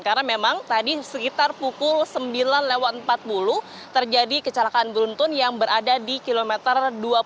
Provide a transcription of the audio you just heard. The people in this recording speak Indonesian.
karena memang tadi sekitar pukul sembilan empat puluh terjadi kecelakaan beruntun yang berada di kilometer dua puluh tujuh